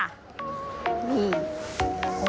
อืม